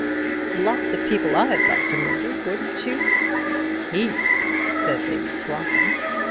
There's lots of people I'd like to murder, wouldn't you?" "Heaps," said Lady Swaffham.